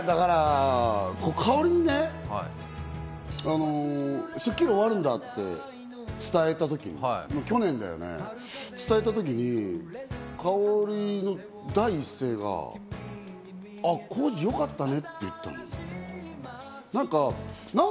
香織に『スッキリ』終わるんだって伝えた時、去年だよね、伝えた時に、香織の第一声が、「あっ、浩次、よかったね」って言ったの。